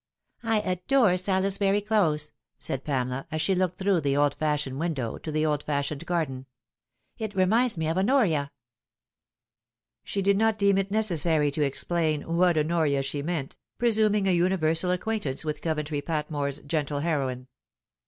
" I adore Salisbury Close," said Pamela, as she looked through the old fashioned window to the old fashioned garden ;" it reminds me of Honoria." She did not deem it necessary to explain what Honoria she meant, presuming a universal acquaintance with Coventry Pat more 's gentle heroine.